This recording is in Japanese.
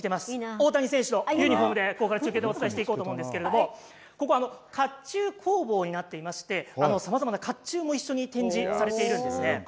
大谷選手のユニホームで今回、中継お伝えしていこうと思うんですけどもここはかっちゅう工房になっていましてさまざまなかっちゅうも一緒に展示されているんですね。